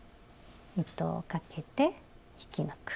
糸をかけて引き抜く。